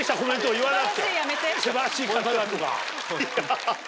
素晴らしい方だとかハハハ。